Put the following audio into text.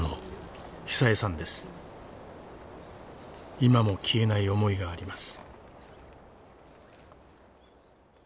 今も消えない思いがあります。